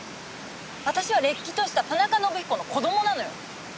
私はれっきとした田中伸彦の子供なのよ！